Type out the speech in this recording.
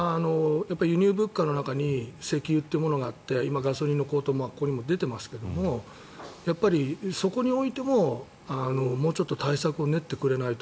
物価高の中に石油というものがあってガソリンの高騰も今、ここに出ていますがそこにおいても、もうちょっと対策を練ってくれないと。